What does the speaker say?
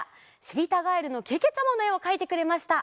「しりたガエルのけけちゃま」のえをかいてくれました。